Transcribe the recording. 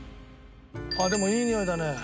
ああでもいいにおいだね。